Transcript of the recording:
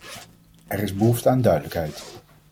Er is behoefte aan duidelijkheid.